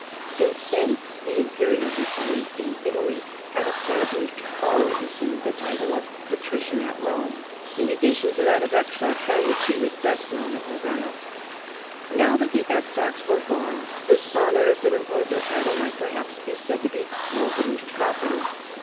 Since then, the imperial lieutenant in Italy had appar ently always assumed the title of patrician at Pome, in addition to that of exarch by which he was best known at Pavenna. Now that the exarchs were gone, the sonorous and imposing title might perhaps be said to be nobody's property.